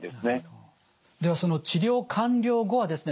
ではその治療完了後はですね